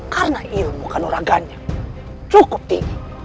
karena ilmu kanuraganya cukup tinggi